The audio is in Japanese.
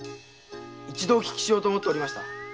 一度お聞きしようと思っておりました